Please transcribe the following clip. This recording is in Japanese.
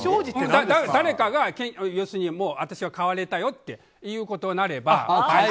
誰かが、私は買われたよっていうことになれば。